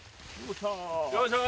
よいしょ。